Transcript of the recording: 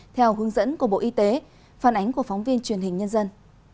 theo hướng dẫn của bộ y tế phản ánh của phóng viên truyền hình nhân dân